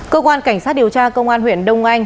cơ quan cảnh sát điều tra công an huyện đông anh